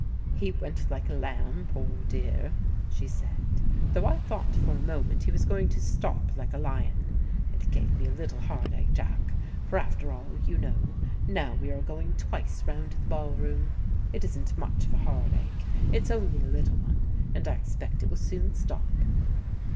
"He went like a lamb, poor dear," she said, "though I thought for a moment he was going to stop like a lion. It gave me a little heart ache, Jack, for, after all, you know Now we are going twice round the ball room. It isn't much of a heart ache, it's only a little one, and I expect it will soon stop."